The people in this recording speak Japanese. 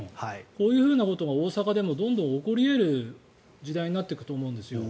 こういうことが大阪でもどんどん起こり得る時代になってくると思うんですよ。